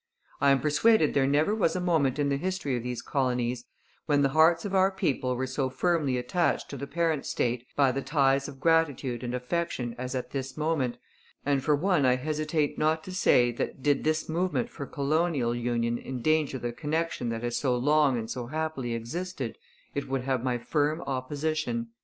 I am persuaded there never was a moment in the history of these colonies when the hearts of our people were so firmly attached to the parent state by the ties of gratitude and affection as at this moment, and for one I hesitate not to say that did this movement for colonial union endanger the connection that has so long and so happily existed, it would have my firm opposition.